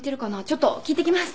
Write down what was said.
ちょっと聞いてきます。